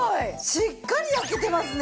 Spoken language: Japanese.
しっかり焼けてますね。